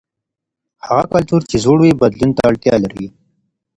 هغه کلتور چې زوړ وي بدلون ته اړتیا لري.